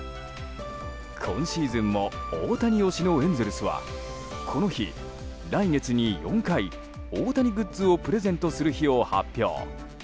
今シーズンも大谷推しのエンゼルスはこの日、来月に４回大谷グッズをプレゼントする日を発表。